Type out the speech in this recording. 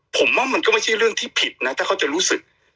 ผมว่ามันก็ไม่ใช่เรื่องที่ผิดนะถ้าเขาจะรู้สึก